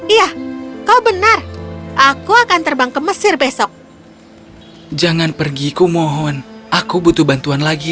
iya kau benar aku akan terbang ke mesir besok jangan pergi kumohon aku butuh bantuan lagi